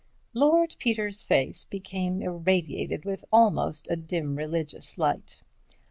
Lord Peter's face became irradiated with almost a dim, religious light.